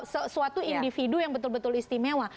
sesuatu individu yang betul betul istimewa